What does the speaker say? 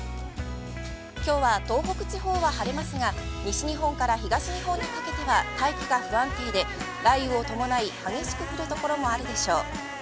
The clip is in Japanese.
きょうは東北地方は晴れますが、西日本から東日本にかけては大気が不安定で、雷雨を伴い激しく降るところもあるでしょう。